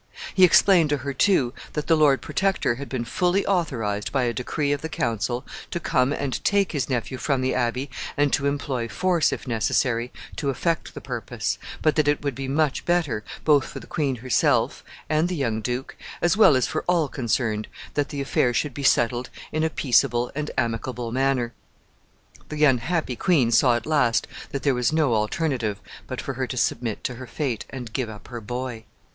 He explained to her, too, that the Lord Protector had been fully authorized, by a decree of the council, to come and take his nephew from the Abbey, and to employ force, if necessary, to effect the purpose, but that it would be much better, both for the queen herself and the young duke, as well as for all concerned, that the affair should be settled in a peaceable and amicable manner. The unhappy queen saw at last that there was no alternative but for her to submit to her fate and give up her boy.